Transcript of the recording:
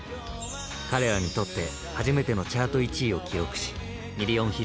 彼らにとって初めてのチャート１位を記録しミリオンヒットしました。